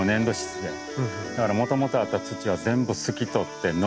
だからもともとあった土は全部すき取ってのけてですね。